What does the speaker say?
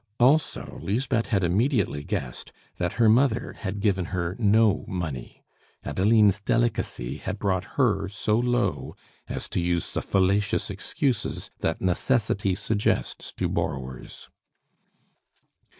Also Lisbeth had immediately guessed that her mother had given her no money. Adeline's delicacy had brought her so low as to use the fallacious excuses that necessity suggests to borrowers.